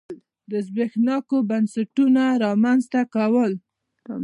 د زبېښونکو بنسټونو رامنځته کول.